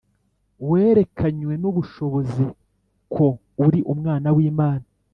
werekanywe n'ubushobozi ko ari Umwana w'Imana